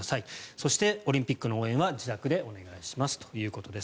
そして、オリンピックの応援は自宅でお願いしますということです。